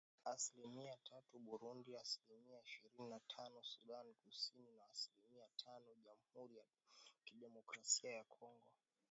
Asilimia tatu Burundi ,asilimia ishirini na tano Sudan Kusini na asilimia tano Jamhuri ya Kidemokrasia ya Kongo